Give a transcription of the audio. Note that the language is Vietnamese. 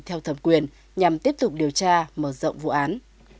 theo thẩm quyền nhằm tiếp tục điều tra mở rộng vụ án